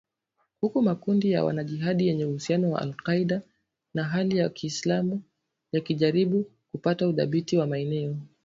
Huku makundi ya wanajihadi yenye uhusiano na al-kaeda na Hali ya kiislamu yakijaribu kupata udhibiti wa maeneo